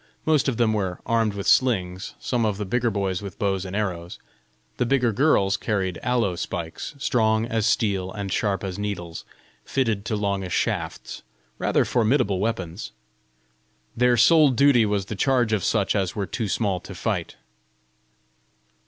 Most of them were armed with slings, some of the bigger boys with bows and arrows. The bigger girls carried aloe spikes, strong as steel and sharp as needles, fitted to longish shafts rather formidable weapons. Their sole duty was the charge of such as were too small to fight.